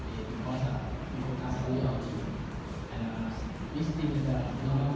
คุณคิดว่าเกินเท่าไหร่หรือไม่เกินเท่าไหร่